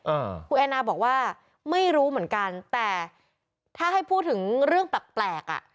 อ่าคุณแอนนาบอกว่าไม่รู้เหมือนกันแต่ถ้าให้พูดถึงเรื่องแปลกแปลกอ่ะ